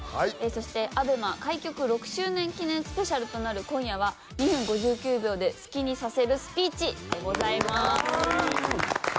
そしてＡＢＥＭＡ開局６周年記念スペシャルとなる今夜は「２分５９秒で好きにさせるスピーチ」でございます。